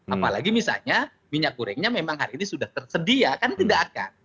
apalagi misalnya minyak gorengnya memang hari ini sudah tersedia kan tidak akan